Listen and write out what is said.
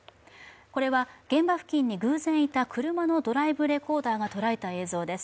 これは現場付近に偶然いた車のドライブレコーダーが捉えた映像です。